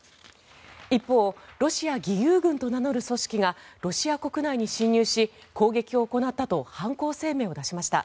一方ロシア義勇軍と名乗る組織がロシア国内に侵入し攻撃を行ったと犯行声明を出しました。